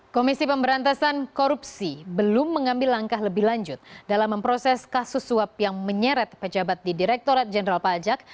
komisi pemberantasan korupsi belum mengambil langkah lebih lanjut dalam memproses kasus suap yang menyeret pejabat di direktorat jenderal pajak